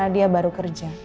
karena dia baru kerja